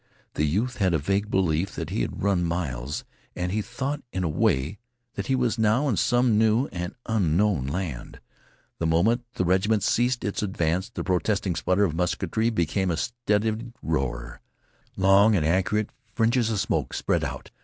The youth had a vague belief that he had run miles, and he thought, in a way, that he was now in some new and unknown land. The moment the regiment ceased its advance the protesting splutter of musketry became a steadied roar. Long and accurate fringes of smoke spread out.